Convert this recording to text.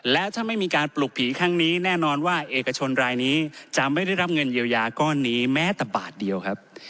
และถ้าไม่มีการปลุกผีครั้งนี้แน่นอนว่าเอกชนรายนี้จะไม่ได้รับเงินเยียวยาก้อนนี้แม้แต่บาทเดียวครับ